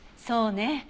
そうね。